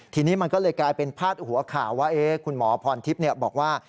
ทีนี้มันก็เลยกลายเป็นพาดหัวข่าวว่าคุณหมอพรทิพย์บอกว่า